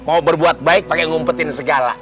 mau berbuat baik pakai ngumpetin segala